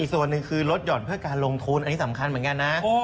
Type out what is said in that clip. ส่วนหนึ่งคือลดห่อนเพื่อการลงทุนอันนี้สำคัญเหมือนกันนะ